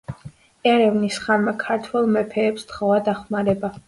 ერევნის ხანმა ქართველ მეფეებს სთხოვა დახმარება.